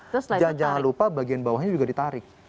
dan jangan lupa bagian bawahnya juga ditarik